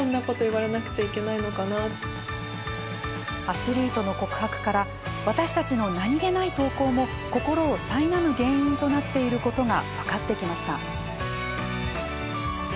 アスリートの告白から私たちの何気ない投稿も心をさいなむ原因となっていることが分かってきました。